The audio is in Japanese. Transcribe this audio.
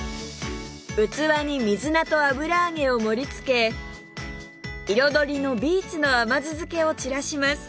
器に水菜と油揚げを盛り付け彩りのビーツの甘酢漬けを散らします